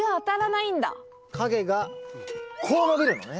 影がこう伸びるのね